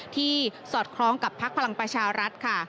ที่สอดคล้องกับภักรรณประชารัฐค่ะ